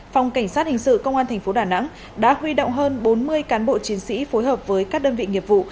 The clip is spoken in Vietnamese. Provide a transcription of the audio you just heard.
phòng cảnh sát hình sự công an tp đà nẵng đã huy động hơn bốn mươi cán bộ chiến sĩ phối hợp với các đơn vị nghiệp vụ